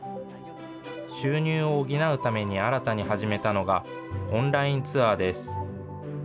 収入を補うために新たに始めたのが、オンラインツアーです。